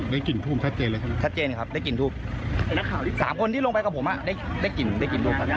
ได้กลิ่นทูบชัดเจนเลยครับได้กลิ่นทูบ๓คนที่ลงไปกับผมได้กลิ่นทูบ